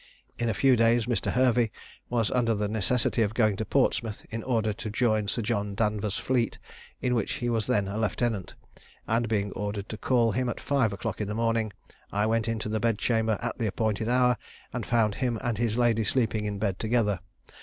In a few days Mr. Hervey was under the necessity of going to Portsmouth in order to join Sir John Danvers's fleet, in which he was then a lieutenant; and being ordered to call him at five o'clock in the morning, I went into the bedchamber at the appointed hour, and found him and his lady sleeping in bed together.